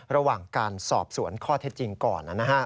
ระหว่างการสอบสวนข้อเท็จจริงก่อน